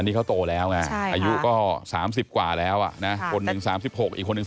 นี่เขาโตแล้วไงอายุก็๓๐กว่าแล้วนะคนหนึ่ง๓๖อีกคนหนึ่ง